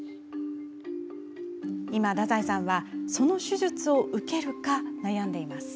今、太宰さんはその手術を受けるか悩んでいます。